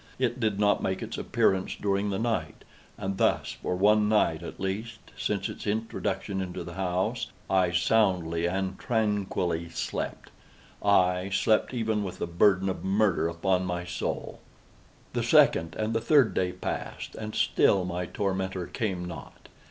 It did not make its appearance during the night; and thus for one night at least, since its introduction into the house, I soundly and tranquilly slept; aye, slept even with the burden of murder upon my soul! The second and the third day passed, and still my tormentor came not.